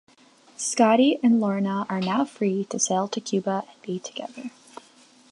Scotty and Lorna are now free to sail to Cuba and be together.